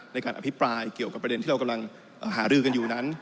ในการอภิปรายเกี่ยวกับประเด็นที่เรากำลังหารือกันอยู่นั้น